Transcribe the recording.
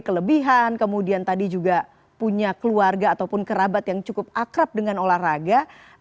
kelebihan kemudian tadi juga punya keluarga ataupun kerabat yang cukup akrab dengan olahraga